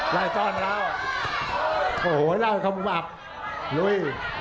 ไล่ต้อนมาแล้วโอ้โหเล่าข้าวมุมอับลุย